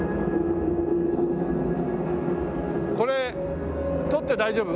これ撮って大丈夫？